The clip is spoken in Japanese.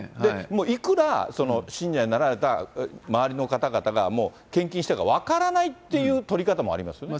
いくら信者になられた周りの方々が、献金しているか分からないという取り方もありますよね。